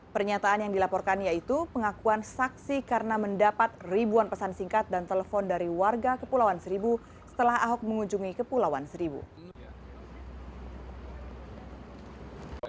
pernyataan yang dilaporkan yaitu pengakuan saksi karena mendapat ribuan pesan singkat dan telepon dari warga kepulauan seribu setelah ahok mengunjungi kepulauan seribu